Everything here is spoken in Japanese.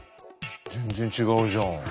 全然違うじゃん。